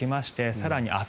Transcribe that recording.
更に明日